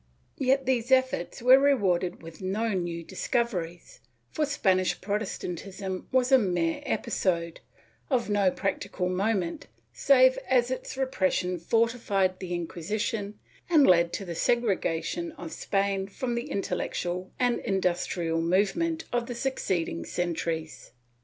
Yet these efforts were rewarded with no new discoveries, for Spanish Protestantism was a mere episode, of no practical moment save as its repression fortified the Inquisition and led to the segre gation of Spain from the intellectual and industrial movement of the succeeding centuries.